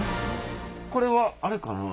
これはあれかな？